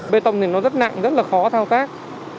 bê tông thì nó rất nặng rất là khó thao tác